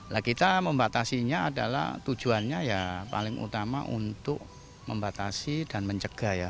lah kita membatasinya adalah tujuannya ya paling utama untuk membatasi dan mencegah ya